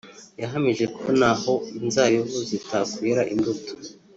yahamije ko naho inzabibu zitakwera imbuto